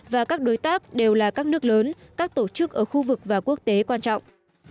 và các đối tác đều là các nước lớn các tổ chức ở khu vực và quốc tế quan trọng